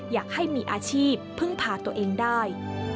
อยากให้มีอาชีพพึ่งพาตัวเองได้